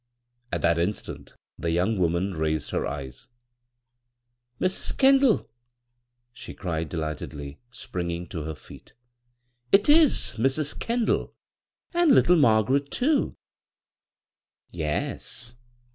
At that instant the young woman r^sed her eyes. " Mrs. Kendall I " she cried delightedly, springing to her feet " It is Mrs. Kendall — and litUe Margaret, too I "" Yes.